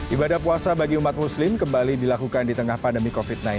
ibadah puasa bagi umat muslim kembali dilakukan di tengah pandemi covid sembilan belas